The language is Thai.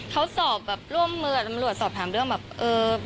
เขาสอบแบบร่วมมือกับตำรวจสอบถามเรื่องแบบเออ